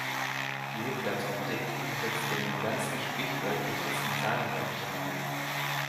Die Hochglanzoptik setzt dem Ganzen sprichwörtlich das Sahnehäubchen auf.